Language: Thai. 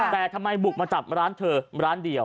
แต่ทำไมบุกมาจับร้านเธอร้านเดียว